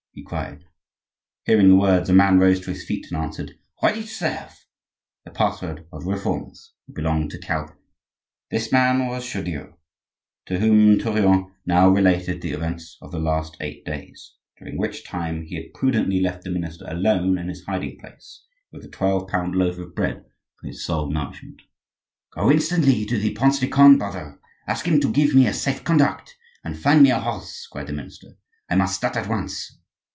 he cried. Hearing the words, a man rose to his feet and answered, "Ready to serve!"—the password of the Reformers who belonged to Calvin. This man was Chaudieu, to whom Tourillon now related the events of the last eight days, during which time he had prudently left the minister alone in his hiding place with a twelve pound loaf of bread for his sole nourishment. "Go instantly to the Prince de Conde, brother: ask him to give me a safe conduct; and find me a horse," cried the minister. "I must start at once."